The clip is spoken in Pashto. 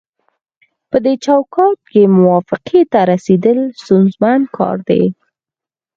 پدې چوکاټ کې موافقې ته رسیدل ستونزمن کار دی